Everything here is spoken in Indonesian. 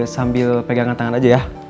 sambil pegangan tangan aja ya